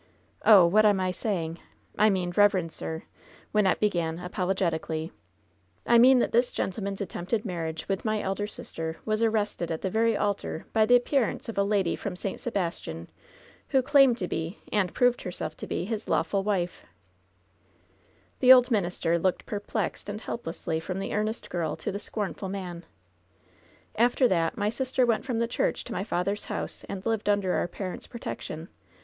"Oh! what am I saying? I mean, reverend sir — Wynnette began, apologetically — ^^1 mean that this gen tleman*s attempted marriage with my elder sister was arrested at the very altar by the appearance of a lady from St. Sebastian, who claimed to be, and proved her^ self to be, his lawful wife.'* LOVE'S BITTEREST CUP 91 The old minister looked perplexed and helplessly from the earnest girl to the scornful man. "After that my sister went from the church to my father's house, and lived under our parents' protection.